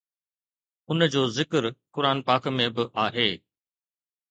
ان جو ذڪر قرآن پاڪ ۾ به آهي